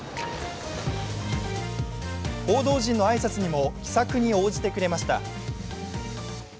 報道陣の挨拶にも気さくに応じてくれました。